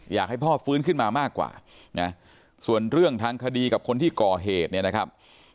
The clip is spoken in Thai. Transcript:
อยากให้พ่อฟื้นขึ้นมามากกว่านะส่วนเรื่องทางคดีกับคนที่ก่อเหตุเนี่ยนะครับ